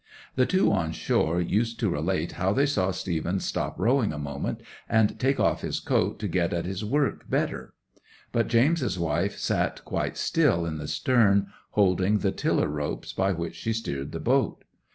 The two on shore used to relate how they saw Stephen stop rowing a moment, and take off his coat to get at his work better; but James's wife sat quite still in the stern, holding the tiller ropes by which she steered the boat.